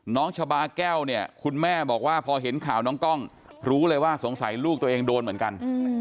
น้องชาบาแก้วเนี่ยคุณแม่บอกว่าพอเห็นข่าวน้องกล้องรู้เลยว่าสงสัยลูกตัวเองโดนเหมือนกัน